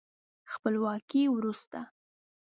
خپلواکۍ وروسته